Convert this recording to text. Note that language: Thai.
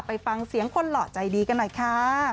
ไปฟังเสียงคนหล่อใจดีกันหน่อยค่ะ